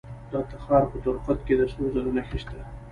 د تخار په درقد کې د سرو زرو نښې شته.